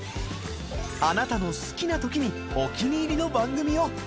あなたの好きな時にお気に入りの番組を。